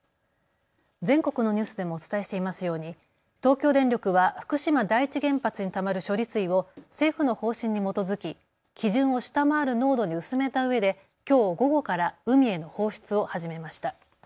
全国のニュースでもお伝えしていますように東京電力は福島第一原発にたまる処理水を政府の方針に基づき、基準を下回る濃度に薄めたうえできょう午後から海への放出を始めました。